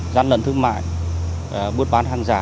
gian lận thương mại buốt bán hàng giả